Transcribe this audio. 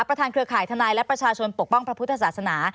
เครือข่ายทนายและประชาชนปกป้องพระพุทธศาสนา